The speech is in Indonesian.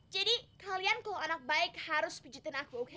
jadi kalian kalau anak baik harus pijetin aku oke